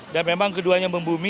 dan memang keduanya membumi